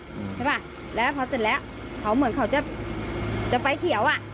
ใช่ป่ะแล้วพอเสร็จแล้วเขาเหมือนเขาจะจะไฟเขียวอ่ะ